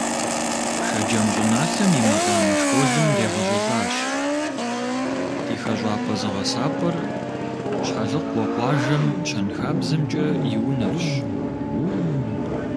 Шэджэм щӀыналъэм и макъамэ школым дегъэщӀылӀащ, ди хэщӀапӀэ-зыгъэсапӀэр Щхьэлыкъуэ къуажэм ЩэнхабзэмкӀэ и унэрщ.